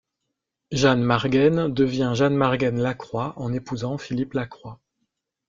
Jeanne Margaine devient Jeanne Margaine-Lacroix en épousant Philippe Lacroix.